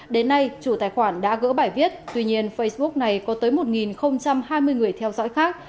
đến nay chủ tài khoản đã gỡ bài viết tuy nhiên facebook này có tới một hai mươi người theo dõi khác